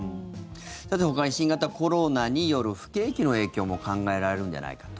さて、ほかに新型コロナによる不景気の影響も考えられるんじゃないかと。